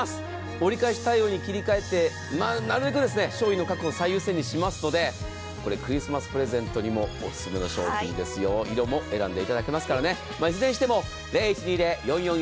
折り返し対応に切り替えて、なるべく商品の確保を最優先にしますのでクリスマスプレゼントにもオススメの商品ですよ、色も選んでいただけますからね。